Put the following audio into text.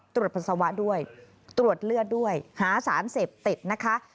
ตรวจปัสสาวะด้วยตรวจเลือดด้วยหาสารเสพติดนะคะ